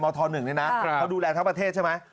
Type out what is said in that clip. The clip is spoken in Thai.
ธ๑นี่นะเขาดูแลทั้งประเทศใช่ไหม